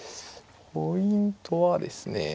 ポイントはですね